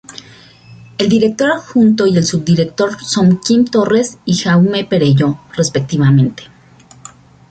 El director adjunto y el subdirector son Quim Torres y Jaume Perelló, respectivamente.